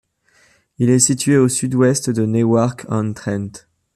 Il est situé au sud-ouest de Newark-on-Trent.